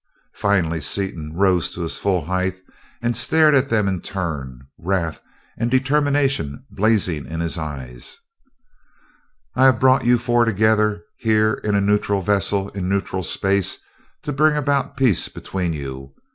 Finally Seaton rose to his full height and stared at them in turn, wrath and determination blazing in his eyes. "I have brought you four together, here in a neutral vessel in neutral space, to bring about peace between you.